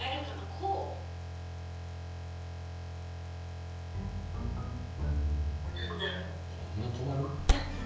コウこんな止まる？